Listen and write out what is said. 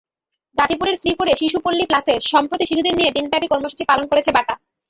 গাজীপুরের শ্রীপুরে শিশুপল্লী প্লাসে সম্প্রতি শিশুদের নিয়ে দিনব্যাপী কর্মসূচি পালন করেছে বাটা।